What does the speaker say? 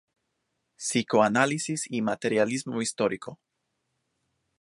Psicoanálisis y materialismo histórico.